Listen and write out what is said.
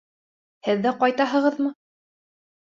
Һеҙ ҙә ҡайтаһығыҙмы?